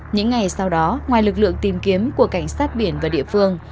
những ngày sau đó ngoài lực lượng tìm kiếm của cảnh sát biển và địa phương